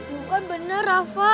bukan bener rafa